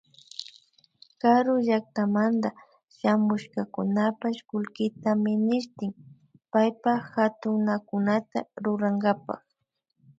Karu llakatamanta shamushkakunapash kullkita ministin paypa hatunakunata rurankapak